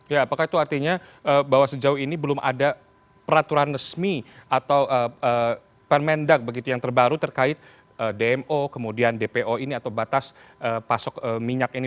ya apakah itu artinya bahwa sejauh ini belum ada peraturan resmi atau permendak begitu yang terbaru terkait dmo kemudian dpo ini atau batas pasok minyak ini